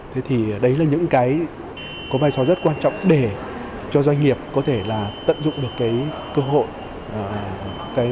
thế thì đấy là những cái có vai trò rất quan trọng để cho doanh nghiệp có thể là tận dụng được cái cơ hội